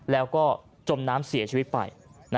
แล้วก็จมน้ำเสียชีวิตไป